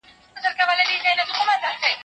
ټکنالوژي د تفریح لپاره هم کارول کېږي.